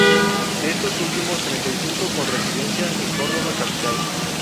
De estos últimos, treinta y cinco con residencia en Córdoba capital.